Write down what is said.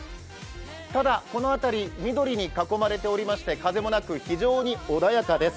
ただ、この辺り緑に囲まれておりまして風もなく、非常に穏やかです。